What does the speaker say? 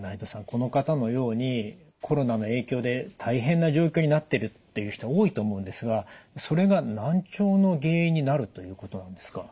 この方のようにコロナの影響で大変な状況になってるっていう人多いと思うんですがそれが難聴の原因になるということなんですか。